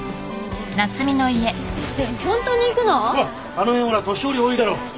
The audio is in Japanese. あの辺ほら年寄り多いだろ？